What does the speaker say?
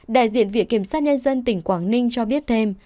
đại diện viện kiểm sát nhân dân tỉnh quảng ninh cho biết thêm